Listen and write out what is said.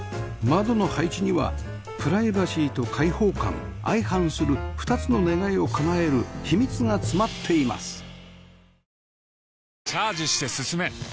窓の配置にはプライバシーと開放感相反する２つの願いをかなえる秘密が詰まっています